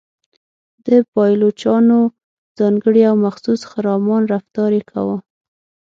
د پایلوچانو ځانګړی او مخصوص خرامان رفتار یې کاوه.